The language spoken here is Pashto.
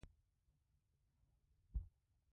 ایا ستاسو ګټه حلاله نه ده؟